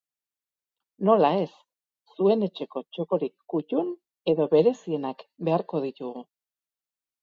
Nola ez, zuen etxeko txokorik kuttun edo berezienak beharko ditugu!